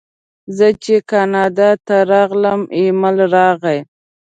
زه چې کاناډا ته راغلم ایمېل راغی.